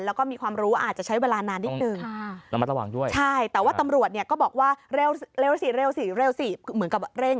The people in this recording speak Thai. แล้วก็มีความรู้อาจจะใช้เวลานานนิดนึง